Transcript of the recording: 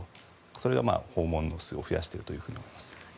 それは訪問数を増やしているんだと思います。